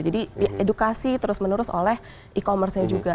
jadi edukasi terus menerus oleh e commerce nya juga